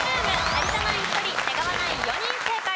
有田ナイン１人出川ナイン４人正解です。